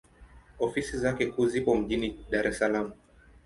Ofisi zake kuu zipo mjini Dar es Salaam.